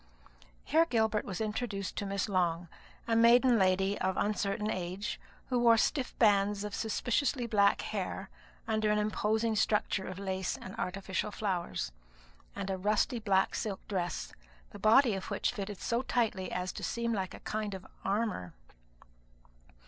Here Gilbert was introduced to Miss Long, a maiden lady of uncertain age, who wore stiff bands of suspiciously black hair under an imposing structure of lace and artificial flowers, and a rusty black silk dress, the body of which fitted so tightly as to seem like a kind of armour.